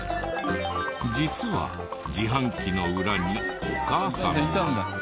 実は自販機の裏にお母さんが。